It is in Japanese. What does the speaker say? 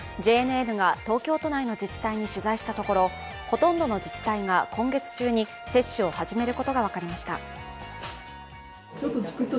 ＪＮＮが東京都内の自治体に取材したところほとんどの自治体が今月中に接種を始めることが分かりました。